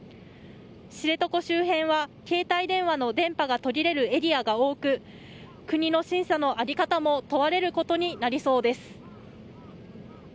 知床周辺は携帯電話の電波が途切れるエリアが多く国の審査の在り方も問われることになりそうです。